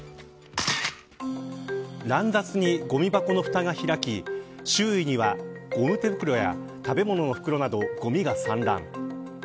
乱雑にごみ箱のふたが開き周囲にはゴム手袋や食べ物の袋など、ごみが散乱。